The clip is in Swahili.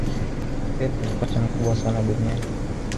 pep ni kocha mkubwa sana duniani